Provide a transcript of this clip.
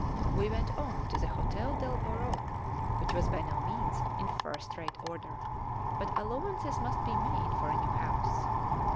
We went on to the Hôtel de l'Europe, which was by no means in first rate order, but allowances must be made for a new house.